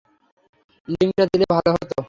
লিংকটা দিলে ভালো হতো।